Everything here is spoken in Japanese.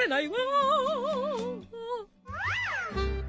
はい。